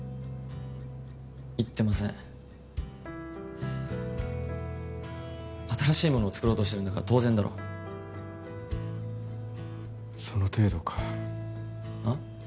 いってません新しいものを作ろうとしてるんだから当然だろその程度かあっ？